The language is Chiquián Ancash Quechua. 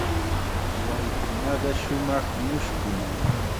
Waykunaqa shumaq mushkun.